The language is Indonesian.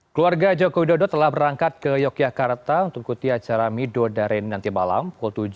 keluarga joko widodo telah berangkat ke yogyakarta untuk ikuti acara midodareni nanti malam pukul tujuh